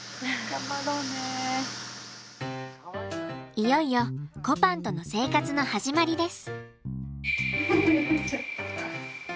いよいよこぱんとの生活の始まりです。